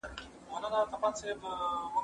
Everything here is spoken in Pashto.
زه به اوږده موده پاکوالي ساتلي وم،